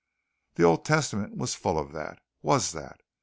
The Old Testament was full of that. Was that.